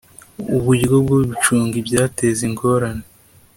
Uburyo bwo gucunga ibyateza ingorane